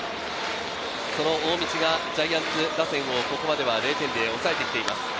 その大道がジャイアンツ打線をここまでは０点で抑えてきています。